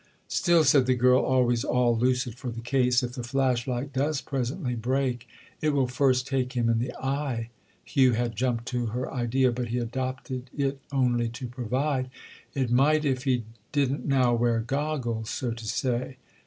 "Still," said the girl, always all lucid for the case, "if the 'flash light' does presently break——!" "It will first take him in the eye?" Hugh had jumped to her idea, but he adopted it only to provide: "It might if he didn't now wear goggles, so to say!